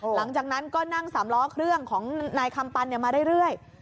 หลังจากนั้นก็นั่งสามล้อเครื่องของนายคำปันมาเรื่อย